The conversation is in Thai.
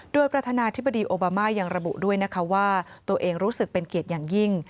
โดยประธานาธิบดีโอบามายังระบุด้วยนะคะว่าตัวเองรู้สึกเป็นเกียรติอย่างยิ่ง